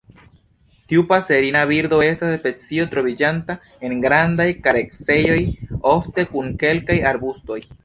Tiu paserina birdo estas specio troviĝanta en grandaj kareksejoj, ofte kun kelkaj arbustoj.